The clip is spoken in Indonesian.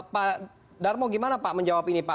pak darmo gimana pak menjawab ini pak